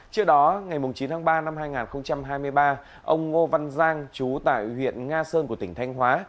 trước đó ngày chín tháng ba năm hai nghìn hai mươi ba ông ngô văn giang chú tại huyện nga sơn của tỉnh thanh hóa